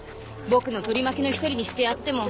僕の取り巻きの一人にしてやっても。